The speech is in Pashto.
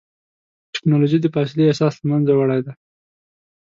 ټکنالوجي د فاصلې احساس له منځه وړی دی.